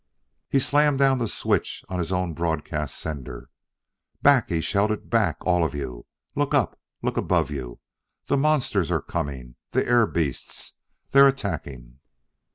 He slammed down the switch on his own broadcast sender. "Back!" he shouted; "back, all of you! Look up! Look above you! The monsters are coming! the air beasts! they are attacking!"